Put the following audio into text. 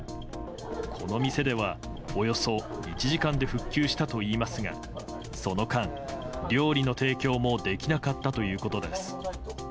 この店では、およそ１時間で復旧したといいますがその間、料理の提供もできなかったということです。